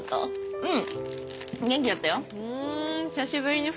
うん。